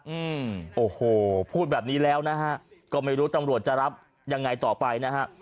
อืมโอ้โหพูดแบบนี้แล้วนะฮะก็ไม่รู้ตำรวจจะรับยังไงต่อไปนะฮะ